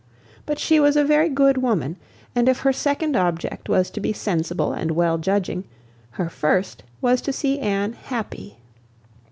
But she was a very good woman, and if her second object was to be sensible and well judging, her first was to see Anne happy.